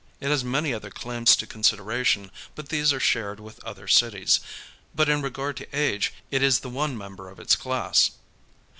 It has many other claims to consideration, but these are shared with other cities. But in regard to age it is the one member of its class.